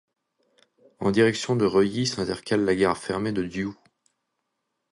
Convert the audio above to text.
En direction de Reuilly s'intercale la gare fermée de Diou.